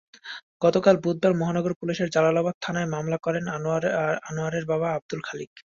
গতকাল বুধবার মহানগর পুলিশের জালালাবাদ থানায় মামলা করেন আনোয়ারের বাবা আবদুল খালিক।